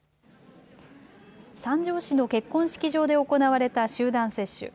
三条市の結婚式場で行われた集団接種。